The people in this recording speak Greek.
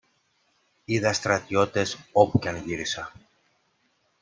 Είδα στρατιώτες όπου και αν γύρισα.